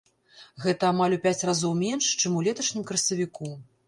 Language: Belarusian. Гэта амаль у пяць разоў менш, чым у леташнім красавіку.